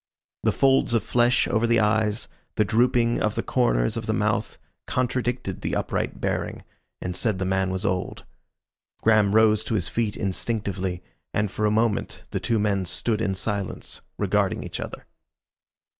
The folds of flesh over the eyes, the drooping of the corners of the mouth contradicted the upright bearing, and said the man was old. Graham rose to his feet instinctively, and for a moment the two men stood in silence, regarding each other.